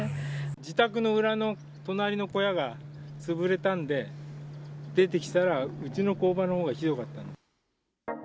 自宅の裏の隣の小屋が潰れたんで、出てきたら、うちの工場のほうがひどかった。